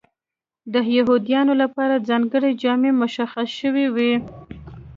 د یهودیانو لپاره ځانګړې جامې مشخصې شوې وې.